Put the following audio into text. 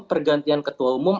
pergantian ketua umum